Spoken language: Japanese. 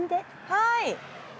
はい。